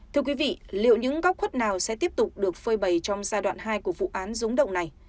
thưa quý vị liệu những góc khuất nào sẽ tiếp tục được phơi bầy trong giai đoạn hai của vụ án rúng động này